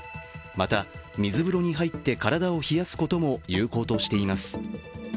また、水風呂に入って体を冷やすことも有効としています。